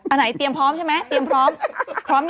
อันไหนเตรียมพร้อมใช่ไหมเตรียมพร้อมพร้อมนะ